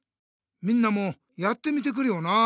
みんなもやってみてくれよな。